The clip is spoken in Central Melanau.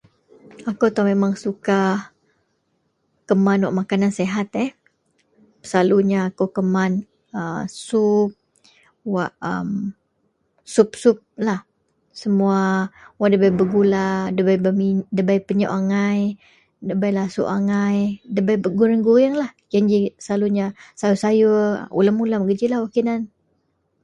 Akou itou memang suka keman wak makanan sihat eh. Selalunya akou keman a sup, wak emm sup-suplah. Semuwa wak ndabei pegula, ndabei bermi, ndabei penyok angai, ndabei lasuok angai, ndabei pegurieng-gurienglah, giyen jilah selalunya sayuor-sayuor, ulem-ulem, gejilah wak kinan.